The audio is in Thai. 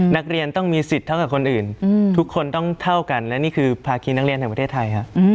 นักเรียนต้องมีสิทธิ์เท่ากับคนอื่นทุกคนต้องเท่ากันและนี่คือภาคีนักเรียนแห่งประเทศไทย